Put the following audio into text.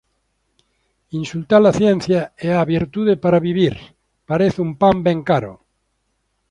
Insulta-la ciencia e a virtude para vivir, parece un pan ben caro.